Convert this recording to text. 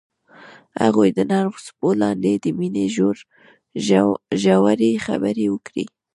هغوی د نرم څپو لاندې د مینې ژورې خبرې وکړې.